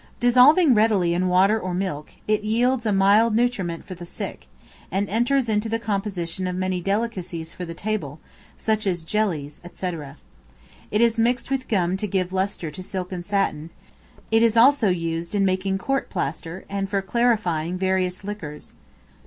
Dissolving readily in water or milk, it yields a mild nutriment for the sick, and enters into the composition of many delicacies for the table, such as jellies, &c. It is mixed with gum to give lustre to silk and satin; it is also used in making court plaster, and for clarifying various liquors.